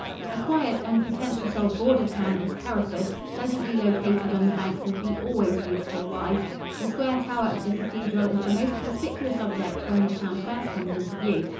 A quiet, unpretentious old border town is Hereford, pleasantly located on the banks of the always beautiful Wye. The square tower of the cathedral is the most conspicuous object when the town first comes into view.